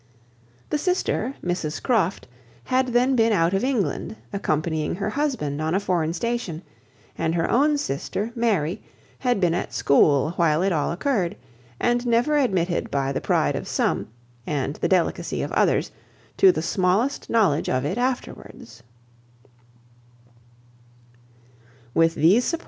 The sister, Mrs Croft, had then been out of England, accompanying her husband on a foreign station, and her own sister, Mary, had been at school while it all occurred; and never admitted by the pride of some, and the delicacy of others, to the smallest knowledge of it afterwards.